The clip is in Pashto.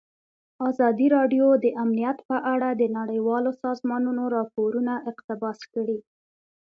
ازادي راډیو د امنیت په اړه د نړیوالو سازمانونو راپورونه اقتباس کړي.